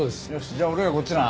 じゃあ俺らこっちな。